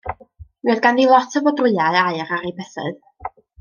Mi oedd ganddi lot o fodrwya' aur ar 'i bysadd.